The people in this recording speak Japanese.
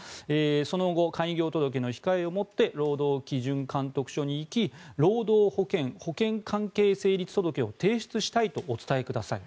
その後、開業届の控えを持って労働基準監督署に行き労働保険保険関係成立届を提出したいとお伝えください